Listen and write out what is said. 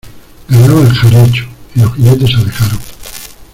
ganaba el jarocho, y los jinetes se alejaron: